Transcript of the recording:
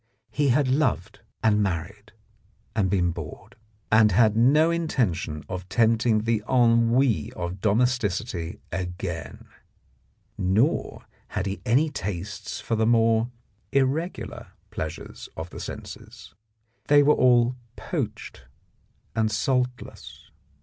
He had loved and married, and been bored, and had no intention of tempting the ennui of domesticity again. Nor had he any tastes for the more irregular pleasures of the senses; they were all poached and 34 The Blackmailer of Park Lane saltless.